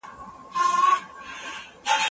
څه ډول په ځان کي د زغم او حوصلې وړتیا وروزو؟